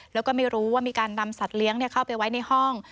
แล้วก็ไม่รู้ว่ามีการนำสัตว์เลี้ยงเข้าไปไว้ในห้อง